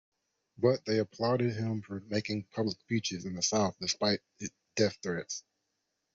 But they applauded him for making public speeches in the South despite death threats.